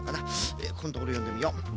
ええここんところよんでみよう。